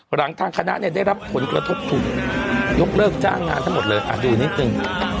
หลังทางคณะเนี่ยได้รับผลกระทบถูกยกเลิกจ้างงานทั้งหมดเลยดูนิดนึง